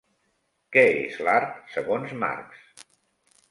Què és l'art segons Marx?